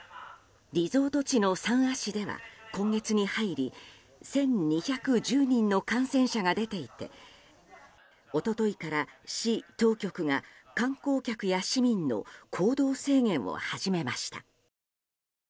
リゾート地の三亜市では今月に入り１２１０人の感染者が出ていて一昨日から市当局が観光客や市民の行動制限を始めました。